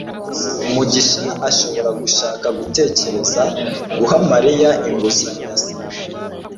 mugisha ashobora gushaka gutekereza guha mariya inguzanyo yasabye